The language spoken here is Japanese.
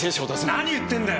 何言ってんだよ！